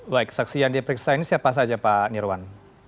baik saksi yang diperiksa ini siapa saja pak nirwan